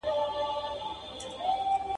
اره، اره ، لور پر غاړه.